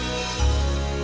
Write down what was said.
selalu pilih apa apa makanya